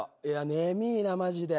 眠いなマジで。